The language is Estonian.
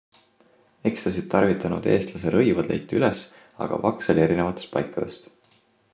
Ecstasy't tarvitanud eestlase rõivad leiti üles aga vaksali erinevatest paikadest.